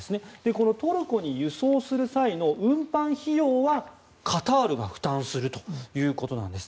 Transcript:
このトルコに輸送する際の運搬費用はカタールが負担するということなんです。